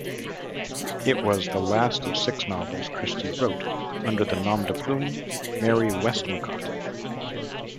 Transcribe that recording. It was the last of six novels Christie wrote under the nom-de-plume Mary Westmacott.